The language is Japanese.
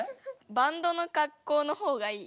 バンドの格好の方がいい。